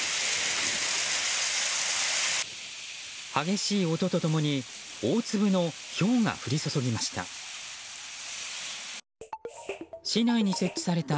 激しい音と共に大粒のひょうが降り注ぎました。